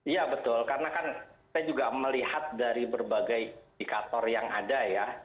ya betul karena kan saya juga melihat dari berbagai indikator yang ada ya